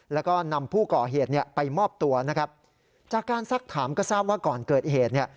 แล้วก็นำผู้ก่อเหตุเนี่ยไปมอบตัวนะครับจากการซักถามก็ทราบว่าก่อนเกิดเหตุเนี่ย